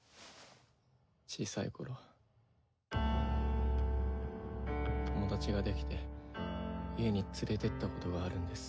小さい頃友達ができて家に連れてったことがあるんです。